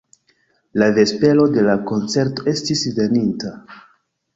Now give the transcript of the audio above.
La vespero de la koncerto estis veninta.